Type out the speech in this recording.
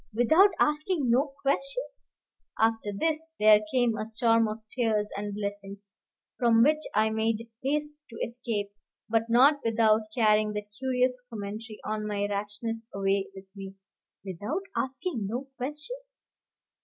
without asking no questions?" After this there came a storm of tears and blessings, from which I made haste to escape, but not without carrying that curious commentary on my rashness away with me, "Without asking no questions?"